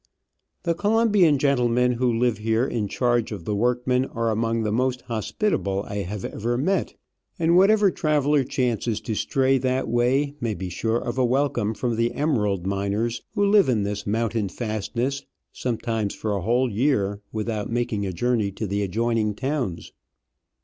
The Colombian gentlemen who live here in charge of the workmen are among the most hospitable I have ever met, and whatever traveller chances to stray that way may be sure of a welcome from the emerald miners, who live in this mountain fastness sometimes for a whole year without making a journey to the adjoining towns.